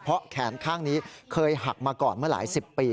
เพราะแขนข้างนี้เคยหักมาก่อนเมื่อหลายสิบปี